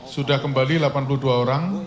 sudah kembali delapan puluh dua orang